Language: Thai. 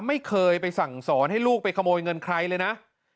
ไม่เคยไปสั่งสอนให้ลูกไปขโมยเงินใครเลยนะ